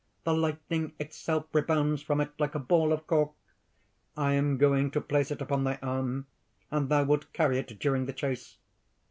The lightning itself rebounds from it like a ball of cork. I am going to place it upon thy arm; and thou wilt carry it during the chase.